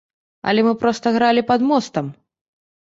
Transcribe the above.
Але мы проста гралі пад мостам!